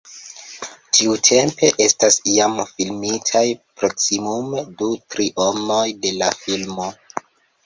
Tiutempe estas jam filmitaj proksimume du trionoj de la filmo.